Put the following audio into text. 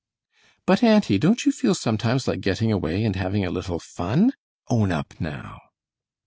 "But, auntie, don't you feel sometimes like getting away and having a little fun? Own up, now."